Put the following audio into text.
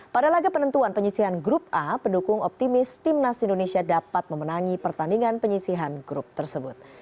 pada laga penentuan penyisihan grup a pendukung optimis timnas indonesia dapat memenangi pertandingan penyisihan grup tersebut